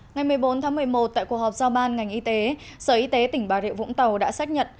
ngày một mươi bốn tháng một mươi một tại cuộc họp giao ban ngành y tế sở y tế tỉnh bà rịa vũng tàu đã xác nhận